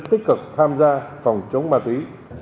tích cực tham gia phòng chống ma túy